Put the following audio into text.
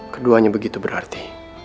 keduanya begitu berarti